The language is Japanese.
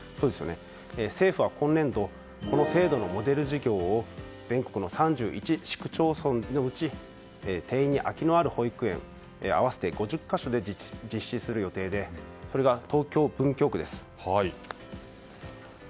政府は今年度この政府のモデル事業を全国の３１市区町村のうち定員に空きのある保育園合わせて５０か所で実施する予定でそれが東京・文京区です。